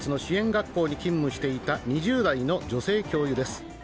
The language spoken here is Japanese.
学校に勤務していた２０代の女性教諭です。